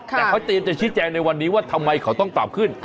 แต่เขาเตรียมจะชี้แจงในวันนี้ว่าทำไมเขาต้องปรับขึ้น